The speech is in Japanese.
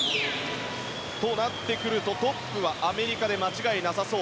そうなってくるとトップはアメリカで間違いなさそう。